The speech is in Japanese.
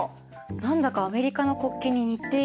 何だかアメリカの国旗に似ているけど。